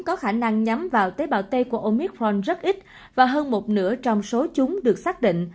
có khả năng nhắm vào tế bào tây của omitron rất ít và hơn một nửa trong số chúng được xác định